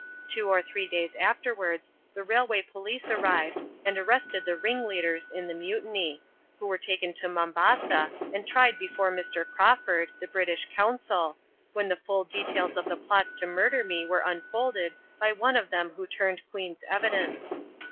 Two or three days afterwards the Railway Police arrived and arrested the ringleaders in the mutiny, who were taken to Mombasa and tried before Mr. Crawford, the British Consul, when the full details of the plots to murder me were unfolded by one of them who turned Queen's evidence.